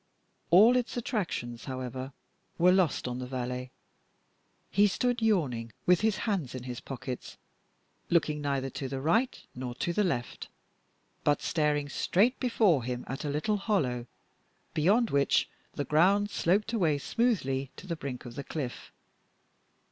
All its attractions, however, were lost on the valet; he stood yawning with his hands in his pockets, looking neither to the right nor to the left, but staring straight before him at a little hollow, beyond which the ground sloped away smoothly to the brink of the cliff.